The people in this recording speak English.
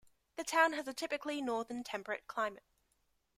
The town has a typically Northern-temperate climate.